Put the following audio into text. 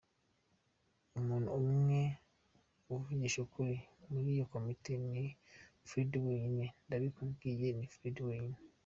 Umuntu umwe uvugisha ukuri muri iyi komite ni Freddy wenyine, ndabikubwiye, ni Freddy wenyine’.